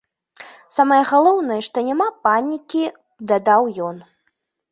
Самае галоўнае, што няма панікі, дадаў ён.